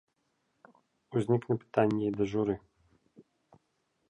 Узніклі пытанні і да журы.